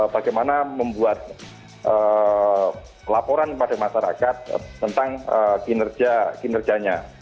bagaimana membuat laporan kepada masyarakat tentang kinerjanya